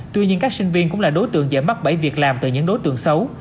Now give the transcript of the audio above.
tuy nhiên các sinh viên cũng là đối tượng dễ mắc bẫy việc làm từ những đối tượng xấu